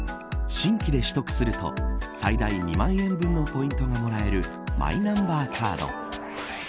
新規で取得すると最大２万円分のポイントがもらえるマイナンバーカード。